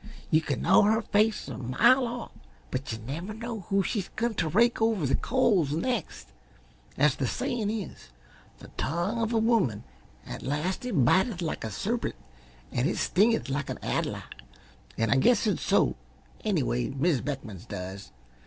You can know her face a mile off, but yuh never know who she's goin' t' rake over the coals next. As the sayin' is: 'The tongue of a woman, at last it biteth like a serpent an' it stingeth like an addle,' an' I guess it's so. Anyway, Mis' Beckman's does.